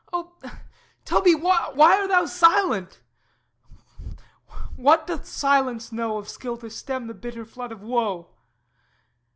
Oh, tell me, why, Why art thou silent? What doth silence know Of skill to stem the bitter flood of woe?